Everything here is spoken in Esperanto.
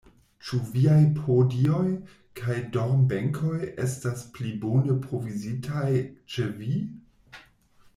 Ĉu viaj podioj kaj dormbenkoj estas pli bone provizitaj ĉe vi?